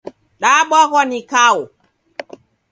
Dabwaghwa ni kau.